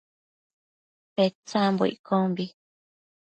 Petsambo iccombi